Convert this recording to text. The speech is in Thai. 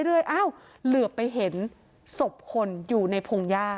เหลือไปเห็นศพคนอยู่ในพงยา